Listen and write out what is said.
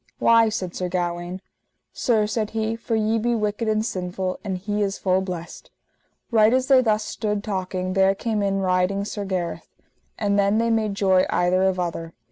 Why? said Sir Gawaine. Sir, said he, for ye be wicked and sinful, and he is full blessed. Right as they thus stood talking there came in riding Sir Gareth. And then they made joy either of other.